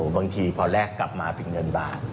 บางทีพอแลกกลับมาเป็นเงินบาท